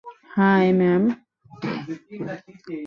High, ma'am.